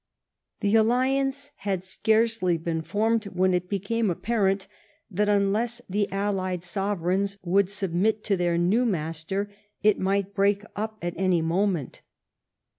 The alliance had scarcely been formed Avhen it became apparent that, unless the allied sovereigns woukl submit to their new master, it might break up at any moment.